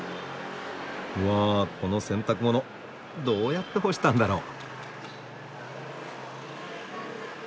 わあこの洗濯物どうやって干したんだろう？